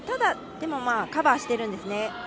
でも、カバーしてるんですね。